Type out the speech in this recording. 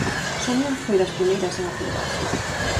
Sonia foi das primeiras en apuntarse.